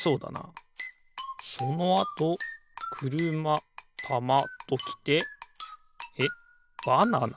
そのあとくるまたまときてえっバナナ？